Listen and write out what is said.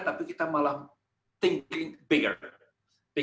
tapi kita malah berpikir lebih besar